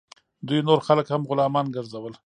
دوی نور خلک هم غلامان ګرځول.